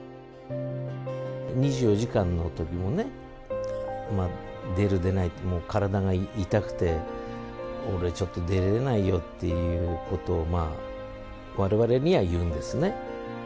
２４時間のときもね、出る、出ないって、もう体が痛くて、俺、ちょっと出れないよっていうことを、まあ、われわれには言うんですね。